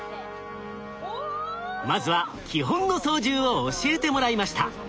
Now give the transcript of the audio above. まずは基本の操縦を教えてもらいました。